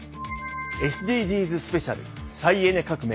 『ＳＤＧｓスペシャル「再エネ革命！